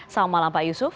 selamat malam pak yusuf